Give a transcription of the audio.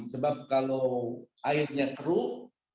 sebab kalau airnya keruh